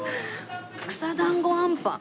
草だんごあんぱん。